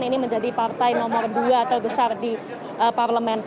ini menjadi partai nomor dua terbesar di parlemen